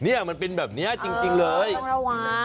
เนี่ยมันเป็นแบบเนี้ยจริงจริงเลยเออต้องระวัง